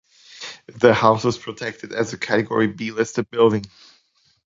The house is protected as a category B listed building.